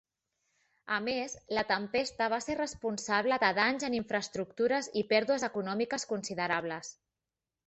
A més, la tempesta va ser responsable de danys en infraestructures i pèrdues econòmiques considerables.